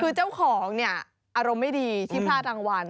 คือเจ้าของเนี่ยอารมณ์ไม่ดีที่พลาดรางวัล